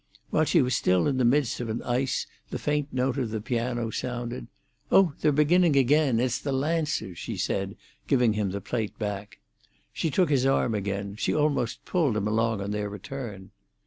While she was still in the midst of an ice, the faint note of the piano sounded. "Oh, they're beginning again. It's the Lancers!" she said, giving him the plate back. She took his arm again; she almost pulled him along on their return.